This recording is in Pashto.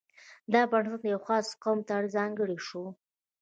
دا بنسټ یوه خاص قوم ته ځانګړی شوی.